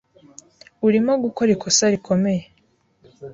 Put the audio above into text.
Urimo gukora ikosa rikomeye.